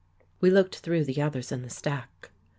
We looked through the others in the stack.